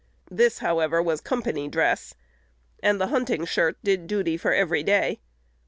This, however, was company dress, and the hunting shirt did duty for every day.